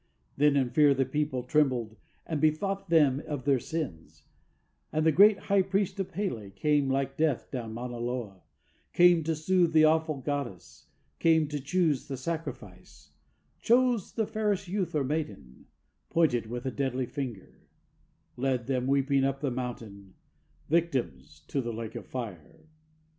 Then in fear the people trembled and bethought them of their sins, And the great high priest of P├®l├® came like Death down Mauna Loa, Came to soothe the awful goddess, came to choose the sacrifice, Chose the fairest youth or maiden, pointed with a deadly finger, Led them weeping up the mountain, victims to the Lake of Fire.